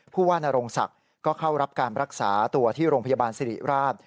ผู้ว่านโรงศักดิ์ก็เข้ารับการรักษาตัวที่โรงพยาบาลสิริราช